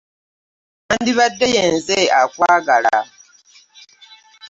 Nandibadde yenze akwagala.